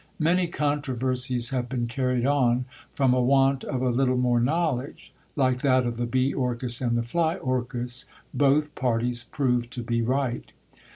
Many controversies have been carried on, from a want of a little more knowledge; like that of the BEE orchis and the FLY orchis, both parties prove to be right.